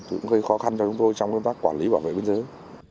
cũng gây khó khăn cho chúng tôi trong công tác quản lý bảo vệ biên giới